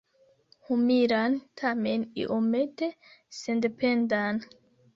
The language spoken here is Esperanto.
Humilan, tamen iomete sendependan.